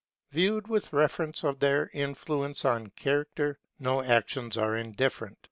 Viewed with reference to their influence on character, no actions are indifferent.